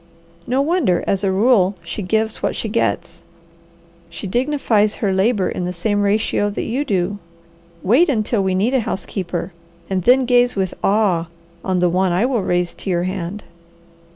No wonder, as a rule, she gives what she gets. She dignifies her labour in the same ratio that you do. Wait until we need a housekeeper, and then gaze with awe on the one I will raise to your hand."